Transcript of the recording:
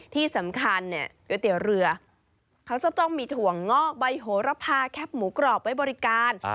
ที่สำคัญเนี่ยก๋วยเตี๋ยวเรือเขาจะต้องมีถั่วงอกใบโหระพาแคปหมูกรอบไว้บริการ